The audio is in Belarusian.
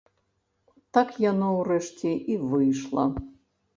Так яно ўрэшце і выйшла.